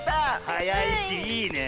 はやいしいいねえ。